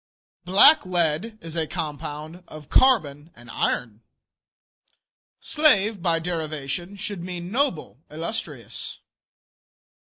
Blacklead is a compound of carbon and iron. Slave by derivation should mean noble, illustrious.